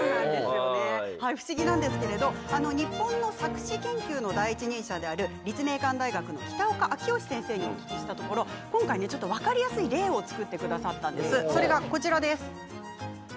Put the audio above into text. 不思議なんですが日本の錯視研究の第一人者である立命館大学の北岡明佳先生にお聞きしたところ今回、分かりやすい例を作ってくださいました。